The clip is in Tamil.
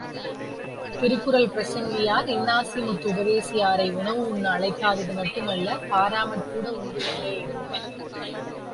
திருக்குறள் பிரசங்கியார் இன்னாசிமுத்து உபதேசியாரை உணவு உண்ண அழைக்காதது மட்டுமல்ல, பாராமற்கூட உண்டு கொண்டேயிருந்தார்.